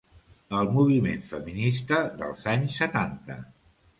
El moviment feminista dels anys setanta.